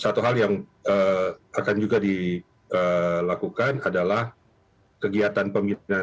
satu hal yang akan juga dilakukan adalah kegiatan pemilikan pendekatan hukum